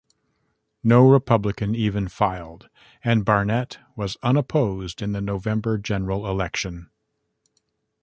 No Republican even filed, and Barnett was unopposed in the November general election.